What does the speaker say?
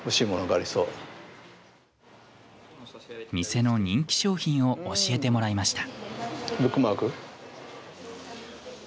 店の人気商品を教えてもらいました。